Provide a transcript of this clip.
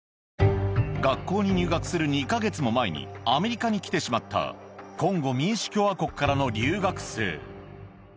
学校に入学する２か月も前に、アメリカに来てしまった、コンゴ民主共和国からの留学生。